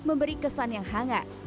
memberi kesan yang hangat